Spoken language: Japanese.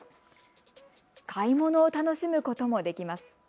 買い物を楽しむこともできます。